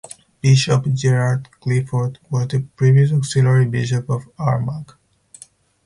Bishop Gerard Clifford was the previous auxiliary bishop of armagh.